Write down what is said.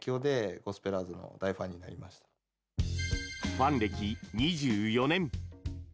ファン歴２４年。